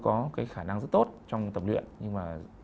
có cái khả năng rất tốt trong tập luyện nhưng mà